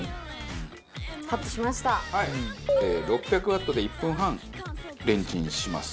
６００ワットで１分半レンチンします。